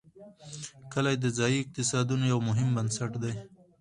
کلي د ځایي اقتصادونو یو مهم بنسټ دی.